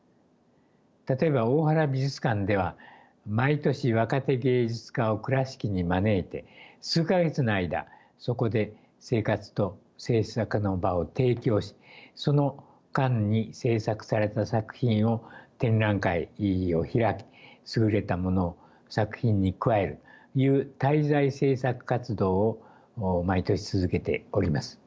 例えば大原美術館では毎年若手芸術家を倉敷に招いて数か月の間そこで生活と制作の場を提供しその間に制作された作品を展覧会を開き優れたものを作品に加えるという滞在制作活動を毎年続けております。